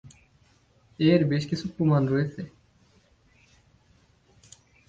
এর বেশ কিছু প্রমাণ রয়েছে।